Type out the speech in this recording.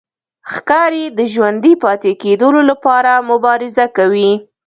ښکاري د ژوندي پاتې کېدو لپاره مبارزه کوي.